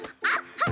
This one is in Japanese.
はい。